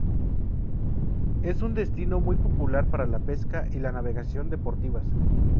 Es un destino muy popular para la pesca y la navegación deportivas.